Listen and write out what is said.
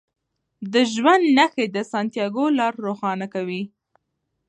د ژوند نښې د سانتیاګو لار روښانه کوي.